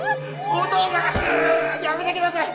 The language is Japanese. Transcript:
お義父さんやめてください！